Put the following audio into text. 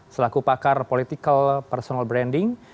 selaku pakar political personal branding